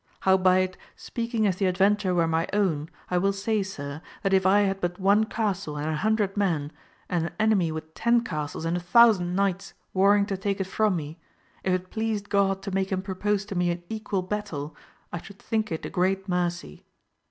Howbeit speaking as the adventure were my own, I will say sir, that if I had but one castle and an hundred men, and an enemy with ten castles and a thousand knights war ring to take it from me, if it pleased God to make him propose to me an equal battle I should think it a great mercy.